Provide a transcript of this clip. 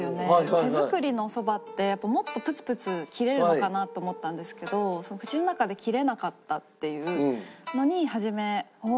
手作りのおそばってやっぱもっとプツプツ切れるのかなと思ったんですけど口の中で切れなかったっていうのに初め「おおっ！